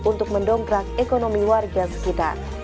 dan juga untuk mendongkrak ekonomi warga sekitar